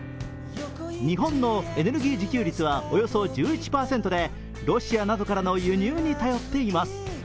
日本のエネルギー自給率はおよそ１１％でロシアなどからの輸入に頼っています。